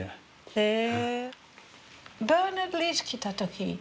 へえ。